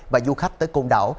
và du khách tới công đảo